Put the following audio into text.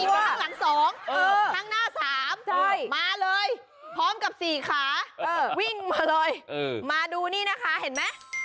ข้างหลัง๒ข้างหน้า๓มาเลยพร้อมกับ๔ขาวิ่งมาเลยมาดูนี่นะคะเห็นไหม